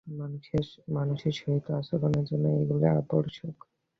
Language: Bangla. মানুষের সহিত আচরণের জন্য এগুলি আবশ্যক।